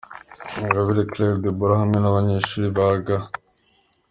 Ingabire Claire Deborah hamwe n'abanyeshuri ba G.